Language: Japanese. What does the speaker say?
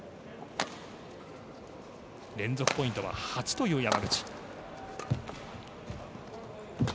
連続ポイントは８という山口。